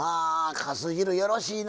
かす汁、よろしいな。